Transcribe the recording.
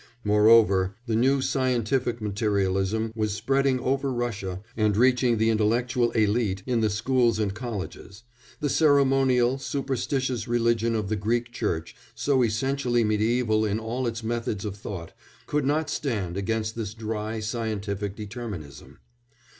Moreover, the new scientific materialism was spreading over Russia, and reaching the intellectual élite in the schools and colleges; the ceremonial, superstitious religion of the Greek Church, so essentially mediæval in all its methods of thought, could not stand against this dry, scientific determinism.